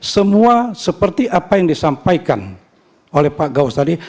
semua seperti apa yang disampaikan oleh pak gaus tadi